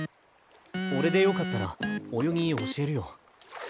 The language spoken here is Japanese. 俺でよかったら泳ぎ教えるよ。